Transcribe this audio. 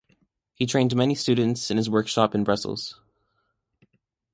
He trained many student in his workshop in Brussels.